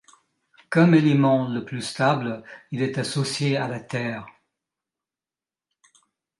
Comme élément le plus stable, il est associé à la Terre.